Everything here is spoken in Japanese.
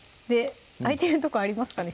空いてるとこありますかね